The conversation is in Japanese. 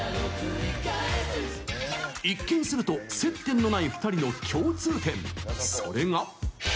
一見すると接点のない２人の共通点、それが。